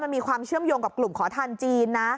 มันมีความเชื่อมโยงกับกลุ่มขอทานจีนนะ